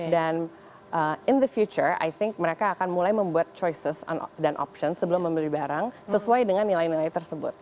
dan in the future i think mereka akan mulai membuat choices dan options sebelum membeli barang sesuai dengan nilai nilai tersebut